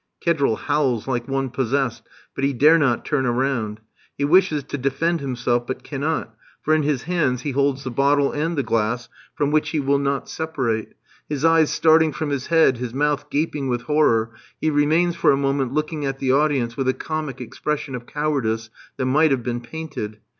Kedril howls like one possessed, but he dare not turn round. He wishes to defend himself, but cannot, for in his hands he holds the bottle and the glass, from which he will not separate. His eyes starting from his head, his mouth gaping with horror, he remains for a moment looking at the audience with a comic expression of cowardice that might have been painted.